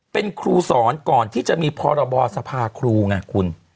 เป็นครูสอนก่อนที่จะมีพรบสภาครูไงคุณ